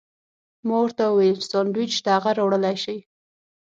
ما ورته وویل: سانډویچ شته، هغه راوړلی شې؟